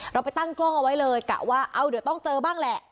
ไปตั้งกล้องเอาไว้เลยกะว่าเอาเดี๋ยวต้องเจอบ้างแหละ